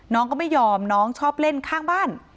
น้องก็ไม่ยอมน้องชอบเล่นข้างบ้าน